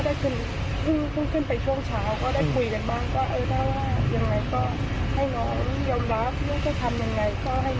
พี่อันนี้ก็ยังดูแต่ก็เสียใจด้วย